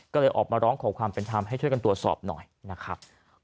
ก็เลยออกมาร้องขอความเป็นธรรมให้ช่วยกันตรวจสอบหน่อยนะครับ